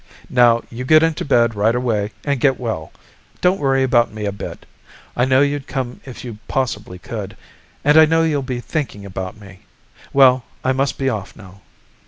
Now you get into bed right away and get well. Don't worry about me a bit. I know you'd come if you possibly could. And I know you'll be thinking about me. Well, I must be off now."